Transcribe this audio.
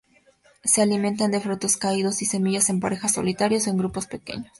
Se alimentan de frutos caídos y semillas, en pareja, solitarios o en grupos pequeños.